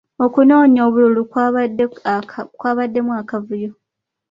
Okunoonya obululu kwabaddemu akavuyo.